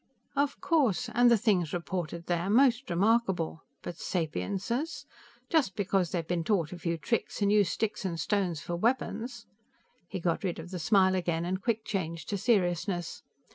"Of course, and the things reported were most remarkable. But sapiences! Just because they've been taught a few tricks, and use sticks and stones for weapons " He got rid of the smile again, and quick changed to seriousness.